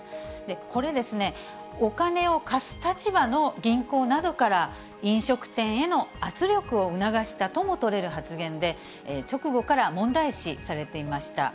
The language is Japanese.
これですね、お金を貸す立場の銀行などから、飲食店への圧力を促したとも取れる発言で、直後から問題視されていました。